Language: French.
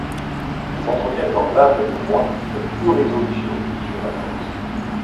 Ils entretiennent dans l’âme du roi cette irrésolution qui fait ma force.